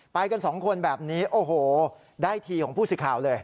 ไปกันสองคนแบบนี้โอ้โหได้ทีของผู้สื่อข่าวเลย